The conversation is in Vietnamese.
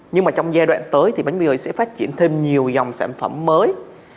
nhưng mà trong giai đoạn tới thì bánh mì sẽ phát triển thêm nhiều dòng sản phẩm mới